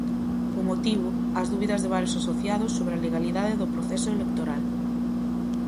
O motivo, as dúbidas de varios asociados sobre a legalidade do proceso electoral.